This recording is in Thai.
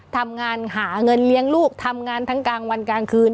ทำงานหาเงินเลี้ยงลูกทำงานทั้งกลางวันกลางคืน